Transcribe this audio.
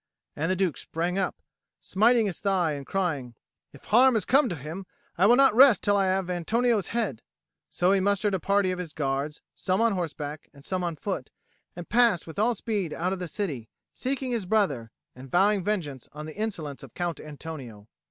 And the Duke sprang up, smiting his thigh, and crying, "If harm has come to him, I will not rest till I have Antonio's head." So he mustered a party of his guards, some on horseback and some on foot, and passed with all speed out of the city, seeking his brother, and vowing vengeance on the insolence of Count Antonio.